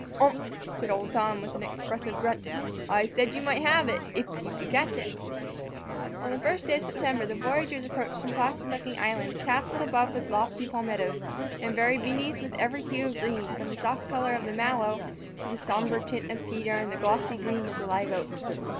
"Umph!" said old Tom, with an expressive grunt, "I said you might have it, if you could catch it." On the first day of September the voyagers approached some placid looking islands, tasselled above with lofty palmettoes, and varied beneath with every hue of green, from the soft colour of the mallow to the sombre tint of the cedar and the glossy green of the live oak.